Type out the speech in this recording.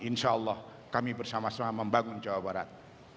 insya allah kami bersama sama membangun jawa barat